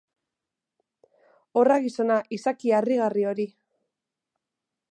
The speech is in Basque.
Horra gizona, izaki harrigarri hori!